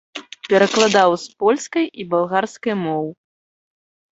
Перакладаў з польскай і балгарскай моў.